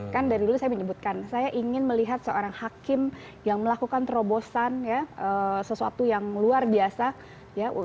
kan dari dulu saya menyebutkan saya ingin melihat seorang hakim yang melakukan terobosan ya sesuatu yang luar biasa ya